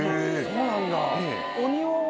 そうなんだ。